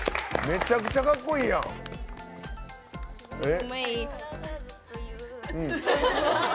めちゃくちゃかっこいいやん。え？